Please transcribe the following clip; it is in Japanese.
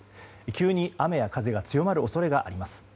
急に雨や風が強まる恐れがあります。